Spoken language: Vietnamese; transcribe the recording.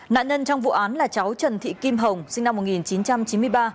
nạn nhân trong vụ án là cháu trần thị kim hồng sinh năm một nghìn chín trăm chín mươi ba